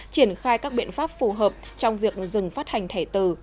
triển khai các biện pháp phù hợp trong việc dừng phát hành thẻ từ